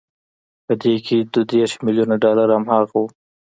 په دې کې دوه دېرش ميليونه ډالر هماغه وو